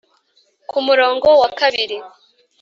ku murongo wa kabiri